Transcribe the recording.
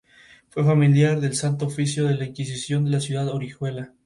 Hird fue una cristiana comprometida, presentando el programa religioso "Praise Be!